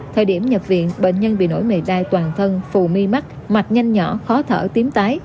thời điểm nhập viện bệnh nhân bị nổi mệt đai toàn thân phù mi mắt mạch nhanh nhỏ khó thở tím tái